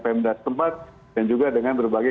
pemdas tempat dan juga dengan berbagai